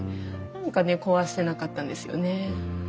何かね壊せなかったんですよねえ。